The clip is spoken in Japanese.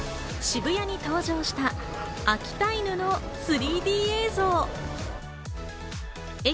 渋谷に登場した秋田犬の３Ｄ映像。